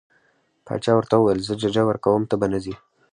باچا ورته وویل زه ججه ورکوم ته به نه ځې.